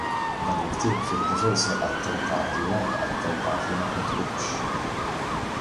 Dan il-ktieb fih diversi attentati u anke attentati li ma twettqux.